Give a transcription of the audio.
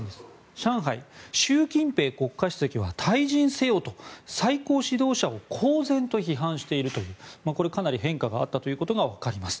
上海、習近平国家主席は退陣せよと最高指導者を公然と批判しているというこれはかなり変化があったということがわかります。